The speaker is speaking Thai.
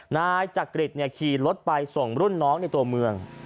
นายจักริตขี่รถไปส่งรุ่นน้องในตัวเมือง